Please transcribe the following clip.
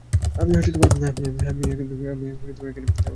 আমি আমার মাল চাই।